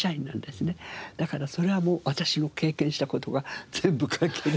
だからそれはもう私の経験した事が全部書ける。